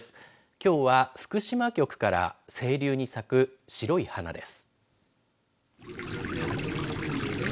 きょうは福島局から清流に咲く白い花です。